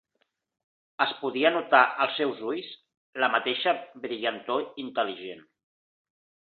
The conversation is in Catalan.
Es podia notar als seus ulls la mateixa brillantor intel·ligent.